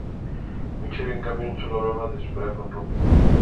Michele en cambio, solo hablaba de su pelea con Romy.